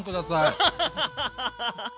アハハハハ！